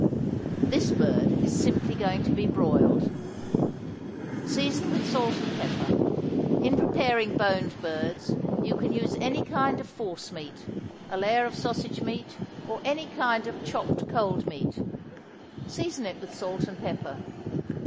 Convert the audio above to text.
This bird is simply going to be broiled. Season with salt and pepper. In preparing boned birds you can use any kind of force meat a layer of sausage meat, or any kind of chopped cold meat; season it with salt and pepper.